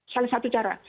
salah satu cara